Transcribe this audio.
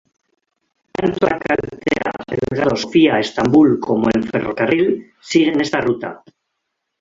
Tanto la carretera Belgrado-Sofía-Estambul como el ferrocarril siguen esta ruta.